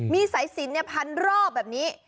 มีสายสินพันรอบแบบนี้